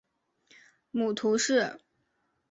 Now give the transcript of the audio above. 母屠氏。